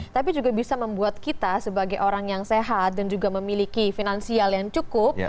tapi juga bisa membuat kita sebagai orang yang sehat dan juga memiliki finansial yang cukup